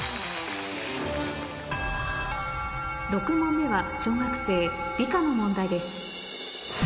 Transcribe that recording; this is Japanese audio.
６問目は小学生理科の問題です